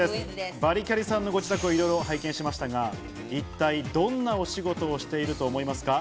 バリキャリさんのご自宅をいろいろ拝見しましたが、一体、どんなお仕事していると思いますか？